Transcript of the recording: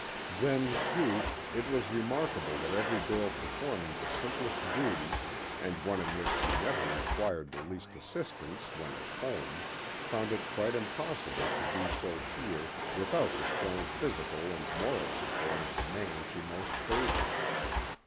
Then, too, it was remarkable that every girl performing the simplest duty, and one in which she never required the least assistance when at home, found it quite impossible to do so here without the strong physical and moral support of the man she most favored.